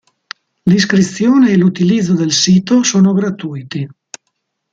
L'iscrizione e l'utilizzo del sito sono gratuiti.